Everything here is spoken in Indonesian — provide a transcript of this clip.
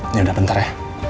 ini udah bentar ya